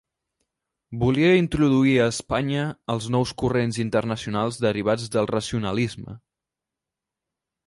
Volia introduir a Espanya els nous corrents internacionals derivats del racionalisme.